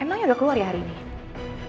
emangnya udah keluar ya hari ini